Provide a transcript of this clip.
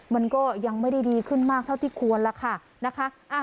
มันก็ยังไม่ได้ดีขึ้นมากเท่าที่ควรแล้วค่ะนะคะ